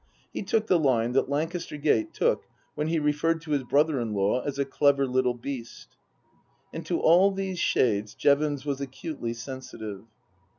He took the line that Lancaster Gate took when he referred to his brother in law as a clever little beast. And to all these shades Jevons was acutely sensitive.